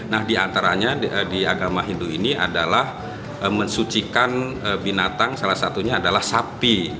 nah diantaranya di agama hindu ini adalah mensucikan binatang salah satunya adalah sapi